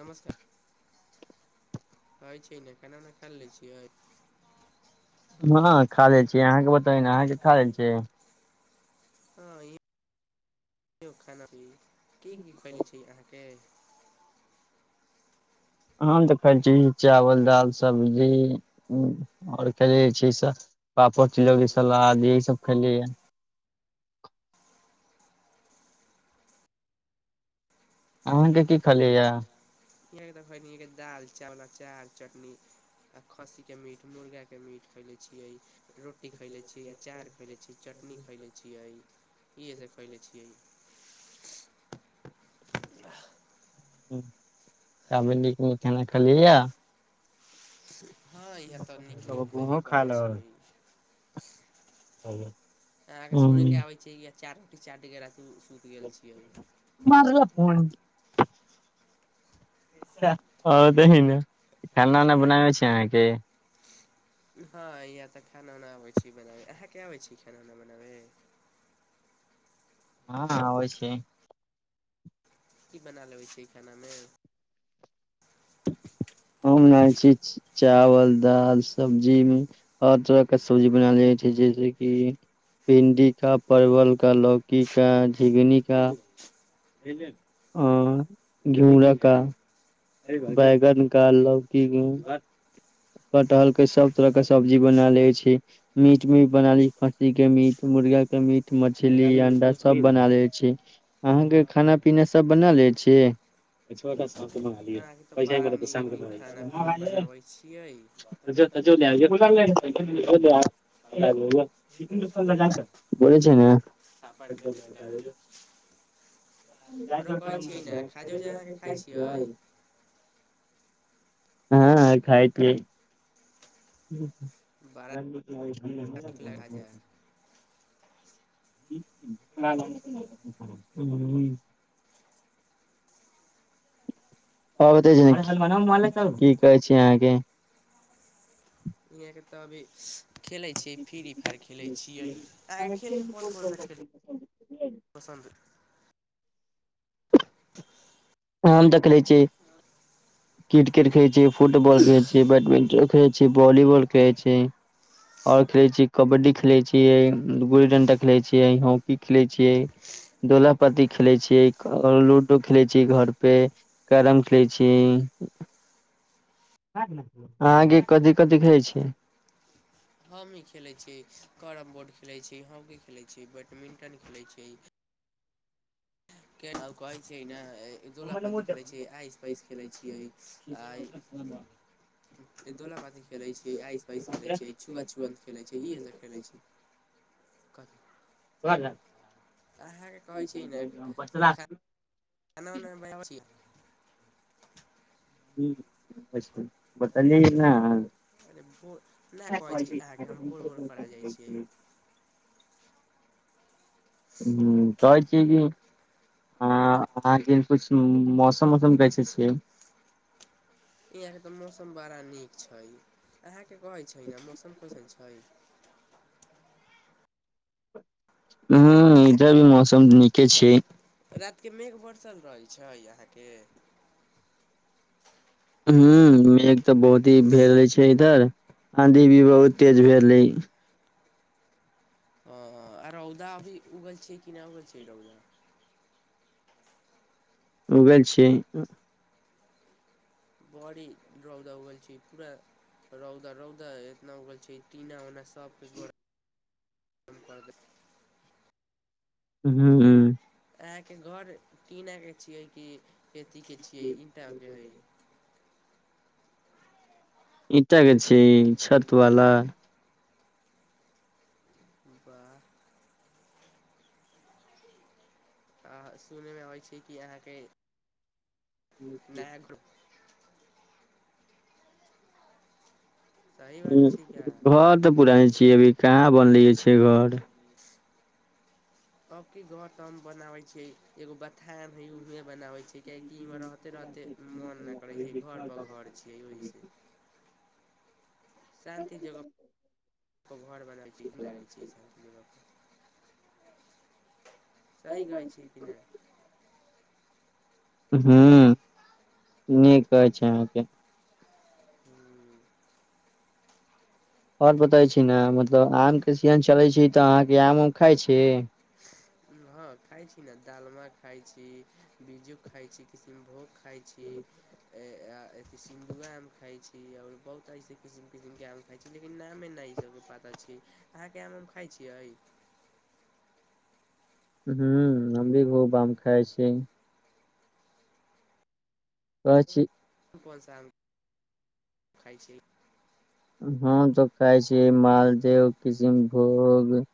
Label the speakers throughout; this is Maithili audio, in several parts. Speaker 1: नमस्कार होइ छै ने खाना उना खा लै छियै
Speaker 2: हँ खा लेल छियै अहाँके बता ने अहाँके खा लै छै
Speaker 1: ह ई हे यौ खाना की की खयने छी अहाँके
Speaker 2: हम तऽ खाइ छी चावल दाल सब्जी आओर खाइ छै सभ पापड़ तिलौड़ी
Speaker 1: यहाँके
Speaker 2: सलाद यही सब खेलिए यै अहाँके की खेलिए यै
Speaker 1: ई देखनि दाल चावल अचार चटनी आ खस्सी के मीट मुर्गा के मीट खैले छियै रोटी खैले छियै अचार खैले छियै चटनी खैले छियै इहे सब खैले छियै
Speaker 2: खाना खलियै या
Speaker 1: हँ इहाँ तऽ नीक नीक हयबे
Speaker 2: हमहुँ खा
Speaker 1: करै छियै
Speaker 2: ह
Speaker 1: अहाँके सुने के आबै छै अचार चाटय सुति गेल छियै
Speaker 2: मारल फोन ह दन्हिने खाना ओना बनाबै छी अहाँकि
Speaker 1: हँ इहाँ तऽ खाना उना आबैत छी बनाबै अहाँके आबैत छी खाना उना बनाबै
Speaker 2: [inaudible] हँ होइ छै
Speaker 1: की बना लेबै छियै खानामे
Speaker 2: हम नहि छी चावल दाल सब्जी में हर तरह के सब्जी बनालेबै छियै जैसे कि भिंडी का परवल का लौकी का झिंगनी का आ घियूरा का बैगन का लौ की कह
Speaker 1: वाह
Speaker 2: कटहल के सब तरह के सब्जी बना लेबे छियै मीट में भी बना ले खस्सी के मीट मुर्गा मीट मछली अंडा सब बना लेबे छी अहाँके खाना पीना सब बना ले छी कछुआ कसम
Speaker 1: अहाँके तऽ बड़ा नीक नीक खाना पीना बनाबै छियै
Speaker 2: बोले छै ने
Speaker 1: [unintelligible] [unintelligible]
Speaker 2: [unintelligible]
Speaker 1: यैय
Speaker 2: हँ खाय छी
Speaker 1: बड़ा नीक लग खाजा
Speaker 2: [unintelligible] [unintelligible] [unintelligible] की कहै छी अहाँ के
Speaker 1: तबी खेलै छियै फिरी आर खेलैत छियै आ खेल में कोन कोन सा खेल पसन्द
Speaker 2: हम देखलै छी क्रिकेट खेलय छी फुटबॉल खेलय छी बैडमिंटन खेलय छी भॉलीबॉल खेलय छी आओर खेलै छी कबड्डी ख खेलै छियै गुल्ली डंडा खेलैत छियै हॉकी खेलैत छियै दोलापती खेले छियै लूडो खेले छियै घर पे कैरम खेलैत छी
Speaker 1: पसन्द
Speaker 2: भऽ गेलौ
Speaker 1: हम ई खेलै छी करम बोर्ड खेलै छी हॉकी खेलै छी बैडमिंटन खेलै छी केन आउ कहै छैै ने दुला पत्ती खेलै छ आसि पैस खेलै छियै आ दोला पाती खेलैत छियै आइस पाइस खेलैत छियै छुआ छुअन्त खेलैत छै इएहसभ खेलैत छै अहाँके कहै छै ने
Speaker 2: राख
Speaker 1: [unintelligible]
Speaker 2: [unintelligible]
Speaker 1: अरे भोर ने कहै छी अहाँके हम भोर भोर परा जाइ छी
Speaker 2: हूं कहै छिय कि हँ अहाँ के पूछनू मौसम ओसम कैसै छियै?
Speaker 1: यहाँके तऽ मौसम बड़ा नीक छैय अहाँ के कहैत छैय ने मौसम कैसन छय?
Speaker 2: हूं इधर भी मौसम नीके छैय।
Speaker 1: रात के मेघ बरसल रहै छैय अहाँके?
Speaker 2: हूं मेघ तऽ बहुत ही भेल रहै छैय इधर।
Speaker 1: हँ
Speaker 2: आँधी
Speaker 1: जी
Speaker 2: भी
Speaker 1: जी
Speaker 2: बहुत तेज भेलै।
Speaker 1: हं आ रौदा अभी उगल छैय कि ना उगल छैय रौदा।
Speaker 2: उगल छियै।
Speaker 1: बडी रौदा उगल छीयै पूरा रौदा रौदा एतना उगल छैय टीना उना सबके बड़ काम कर दे
Speaker 2: हूं
Speaker 1: आहानहां के घर टीना के छीये कि एथि के छियै इटा के हय
Speaker 2: ईटा के छैय छतवाला।
Speaker 1: बाह सुनैमे अबै छैय कि अहाँके
Speaker 2: ह
Speaker 1: नया ग्रुप सही बात
Speaker 2: ह
Speaker 1: छिका
Speaker 2: घर तऽ पुरानी छियै अभी कहाँ बनलियै छैय घर।
Speaker 1: तब की घर त बनावे छैय एगो बथान हे उहे बनावे छैय। कियाकि इहर रहते रहते मन नहि करै छै घर पर घर छियै ओहि से शान्ति जगह प घर बनल चीज लागै छैय शान्ति जगहपर सही कहै छी कि नहि
Speaker 2: [unintelligible] ह निक कहै छै अहाँके
Speaker 1: ह्म [unintelligible]
Speaker 2: आओर बताै छी ने मतलब आम के सीजन चलै छै तऽ अहाँके आम उम खाइ छी
Speaker 1: हँ खाइत छी ने दालम खाइत छी बिज्जू खाइत छी किशनभोग खाइ छी सिंधुआ आम खायई छी और बहुत ऐसे किसिम किसम के आम खाय छी। लेकिन नामे नहि ई सबके पता छैय अहाँके आम उम खाइ छियै?
Speaker 2: हू हम भी खूब आम खाय छी। कहय छी
Speaker 1: [unintelligible]
Speaker 2: किसिनभोग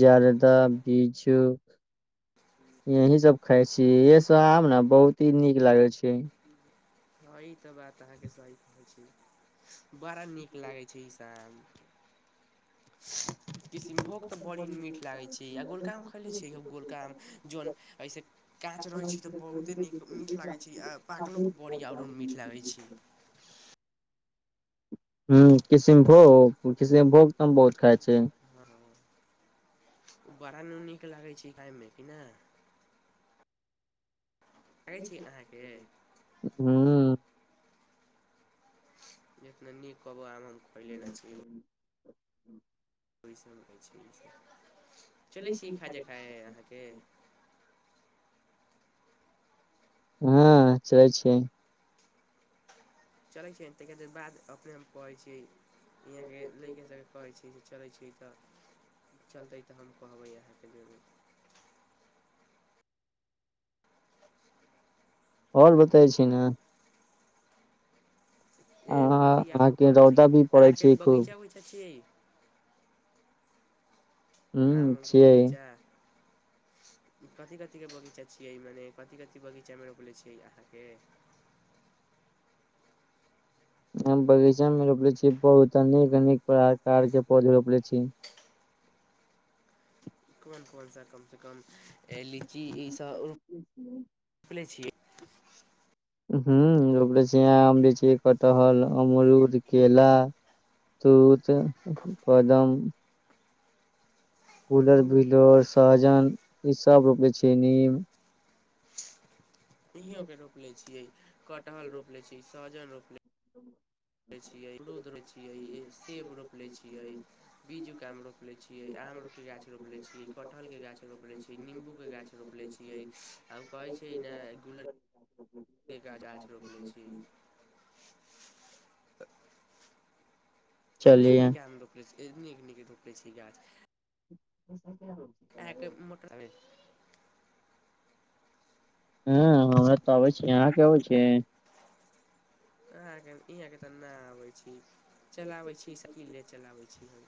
Speaker 2: जाालदा बीजु यही सब खाय छी इहसभ आब ने बहुत ही नीक लागै छैय।
Speaker 1: ह तऽ बात अहाँके सही कहै छैय। बड़ा नीक लागै छैय ईस आम।
Speaker 2: [inaudible]
Speaker 1: किसिनभोग तऽ बड़ी मीठ लागै छैय आ गोलका आम खैले छीयै गोलका आम जौन स काच रहै छी तऽ बहुते नीक मीठ लागै छैय पाकलो पर बड़ि आओरो मीठ लागै छी।
Speaker 2: ह किसनभोग किसनभोग त बहुत खाइ छी।
Speaker 1: हँ बड़ा न नीक लागै छैय खाायमे कि ना? कहै छी अहाँके?
Speaker 2: ह
Speaker 1: जे ने नीक कब हम खयले
Speaker 2: ह ह
Speaker 1: ओसभ होइ छै चलै छी ई खा जे खााय अहाँके
Speaker 2: हँ चलै छिय
Speaker 1: चलै छै त बाद अपने हम कहढ़ै छीयै यहाँ के लैके सबके कहे छै चले छै तऽ चलतै तऽ हम कहबै अहाँके जारी
Speaker 2: आओर बताैवे छी ने
Speaker 1: जे
Speaker 2: अहाँ
Speaker 1: कथी आादमे
Speaker 2: अहाँके
Speaker 1: पड़ल छी
Speaker 2: रौदा भी पड़ै
Speaker 1: अहाँके
Speaker 2: छै खूब
Speaker 1: बगीचा बगीचा छियै
Speaker 2: ह
Speaker 1: आमके
Speaker 2: छियै
Speaker 1: बगीचा
Speaker 2: [inaudible]
Speaker 1: कथी कथिक बगीचा छिय म कथी कथी बगीचा मेरो ब छिय अहाँ
Speaker 2: [inaudible] हम बगीचा मे रोपले छी पौध नीक अने प्रकार के पौध रोपले छी
Speaker 1: कोन कोनसँ कमसँ कम लीची इसभ चपले छियै
Speaker 2: ह रे छैाँ आम लीची कटहल अमरूद केेल तूध कोदम कूलर बिलर सहजन ईसभ रोपे छै नीम
Speaker 1: इओे रोपि ले छियै कटहल रोप ले छियै सहजनि रोप ले छी आमरूदे छियै सेब रोप ले छियै बीज उक मे रोप ले छियै आ आम के गाछ रोपले छियै कठहल के गाछ रोपले छियै नींबू के गाछ रोपले छियै आ कहै छै कि ना गुलड़ के गाछ आछ रोपले छियै नीक
Speaker 2: चलिये
Speaker 1: नीक आम रोपले छियै नीक नीक रोपले छियै गाछ अहाँके मोटर
Speaker 2: हँ हमरा तऽ आबै छियै अहां के आबै छियै
Speaker 1: अहां इहाँ के त नहि आबै छी चलाबे छी साइकिलें चलाबे छी [inaudible]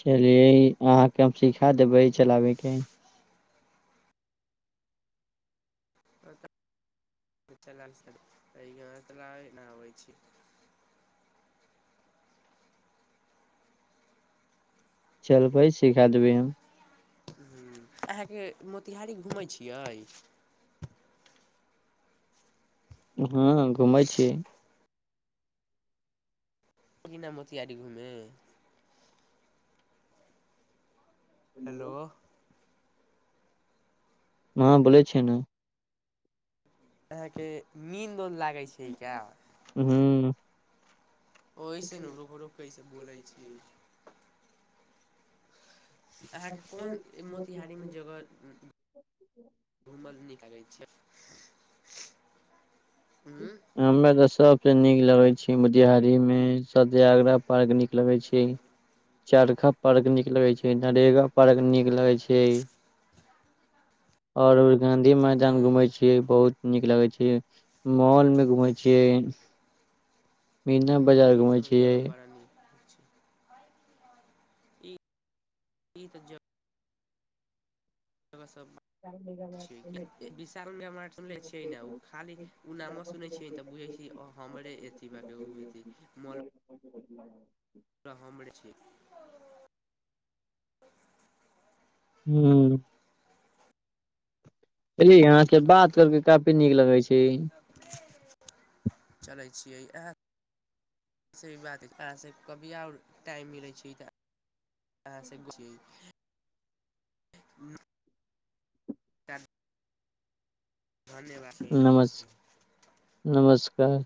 Speaker 2: चलियै अहाँके हम सिखा देबै चलाबयके
Speaker 1: तऽ तब चलाबे से त हमरा चलाबे न आबै छै
Speaker 2: चलबै सिखा देबै हम
Speaker 1: ह्म अहाँके मोतिहारी घूमैय छियै
Speaker 2: हँ घुमै छियै
Speaker 1: की ना मोतिहारी घूमे हेलो
Speaker 2: हँ बोलै छियै न
Speaker 1: अहाँके नीन्द उंद लागैय छै का
Speaker 2: ह
Speaker 1: ओऐसे नु रुक रुक के इ सब बोलैय छियै अहाँके कोन मोतिहारीमे जगह घूमल निकलै छै उंम्म
Speaker 2: हमे तऽ सब सबसे नीक लगै छै मोतिहारी मे सत्यागरा पार्क नीक लगैय छै चरखा पार्क नीक लगै छै नरेगा पार्क नीक लगै छै और उ गाँधी मैदान
Speaker 1: हँ
Speaker 2: घूमै छियै बहुत नीक लगै छै मॉल में घुमे छियै मीना
Speaker 1: हँ
Speaker 2: बाजार
Speaker 1: ई
Speaker 2: घुमे
Speaker 1: सब
Speaker 2: छी
Speaker 1: जगह बड़ा नीक ई ई त ज गह सब छियै विशाल मेगा मार्ट सुनले छियै न ओ खाली ओ नामो सुने छै तऽ बुझै छियै हमरे एथि बा के ओमे अथि मॉल
Speaker 2: [inaudible]
Speaker 1: त हमरे छै
Speaker 2: हू चलियै अहाँके बात करके काफी नीक लगै छै
Speaker 1: चलै छियै अहां सँ भी बात अहाँसँ कभी आओर टाइम मिलै छै तऽ अहां से पुछियै ह चार धन्यवाद छी रखै छी
Speaker 2: त